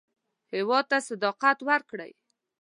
هېواد ته صداقت ورکړئ